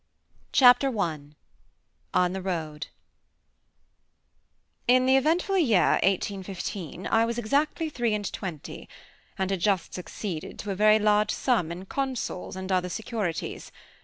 Chapter I ON THE ROAD In the eventful year, 1815, I was exactly three and twenty, and had just succeeded to a very large sum in consols and other securities.